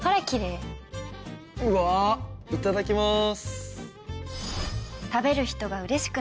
いただきます！